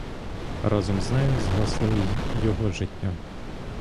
Разом із нею згасло й його життя.